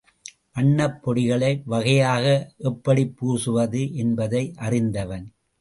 வண்ணப்பொடிகளை வகையாக எப்படிப் பூசுவது என்பதை அறிந்தவன்.